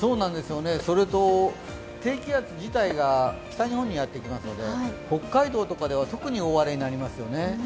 それと、低気圧自体が北日本にやってきますので北海道とかでは特に大荒れになりますよね。